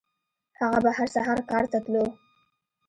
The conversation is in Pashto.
هغه به هر سهار کار ته تلو.